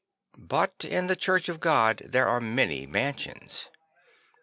But in the Church of God are many manSions.